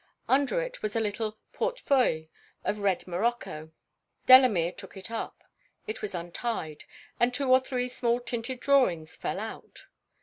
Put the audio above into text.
Under it was a little porte feuille of red morocco. Delamere took it up. It was untied; and two or three small tinted drawings fell out.